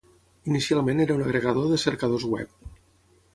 Inicialment era un agregador de cercadors web.